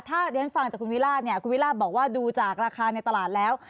ถ้าเรียนฟังจากคุณวิราชเนี่ยคุณวิราชบอกว่าดูจากราคาในตลาดแล้ว